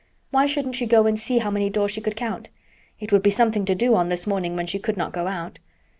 Why shouldn't she go and see how many doors she could count? It would be something to do on this morning when she could not go out.